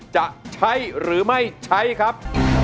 จะใช้หรือไม่ใช้ครับ